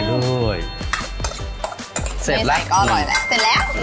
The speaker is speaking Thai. เนี่ยด้วยเสร็จแล้วน่ะก็เอาอร่อยแล้วเสร็จแล้วผัก